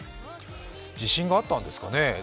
地震があったんですかね。